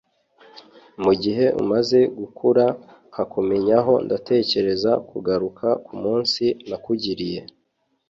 mugihe umaze gukura nkakumenyaho ndatekereza kugaruka kumunsi nakugiriye